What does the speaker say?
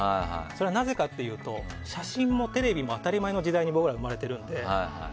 それはなぜかというと写真もテレビも当たり前の時代に僕らは生まれているので。